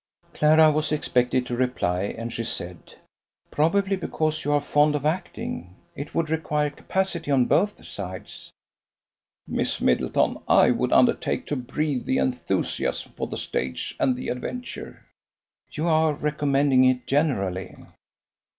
Clara was expected to reply, and she said: "Probably because you are fond of acting. It would require capacity on both sides." "Miss Middleton, I would undertake to breathe the enthusiasm for the stage and the adventure." "You are recommending it generally."